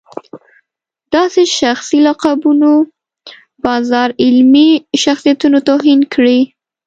داسې شخصي لقبونو بازار علمي شخصیتونو توهین کړی.